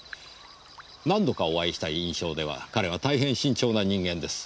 何度かお会いした印象では彼は大変慎重な人間です。